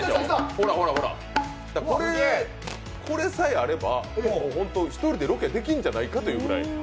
これさえあれば１人でロケできるんじゃないか。